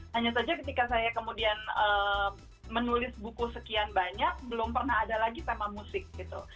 hanya saja ketika saya kemudian menulis buku sekian banyak belum pernah ada lagi tema musik gitu